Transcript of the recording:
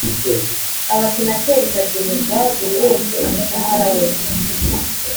abasenateri bagenerwa buri wese umushahara we